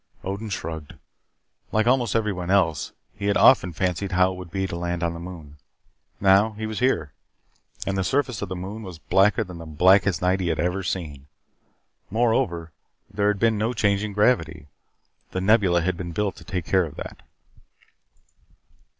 Odin shrugged. Like almost everyone else, he had often fancied how it would be to land on the moon. Now he was here, and the surface of the moon was blacker than the blackest night he had ever seen. Moreover, there had been no change in gravity. The Nebula had been built to take care of that.